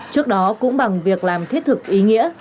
trước đó cũng bằng việc làm thiết thực ý nghĩa